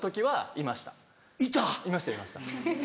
いましたいました。